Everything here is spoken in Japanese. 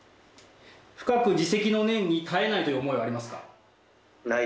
深く自責の念に堪えないという思いはありますか。